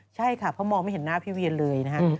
ใช่ค่ะเพราะมองไม่เห็นหน้าพี่เวียนเลยนะฮะ